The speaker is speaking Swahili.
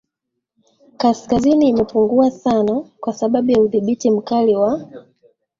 Kaskazini imepungua sana kwa sababu ya udhibiti mkali wa